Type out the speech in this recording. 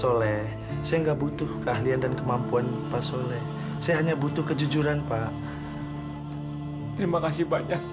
oleh saya nggak butuh keahlian dan kemampuan pas oleh saya hanya butuh kejujuran pak terima kasih